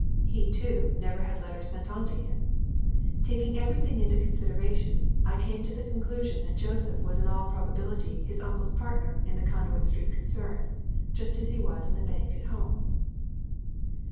He, too, never had letters sent on to him. Taking everything into consideration, I came to the conclusion that Joseph was in all probability his uncle's partner in the Conduit Street concern, just as he was in the bank at home.